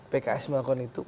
pks melakukan itu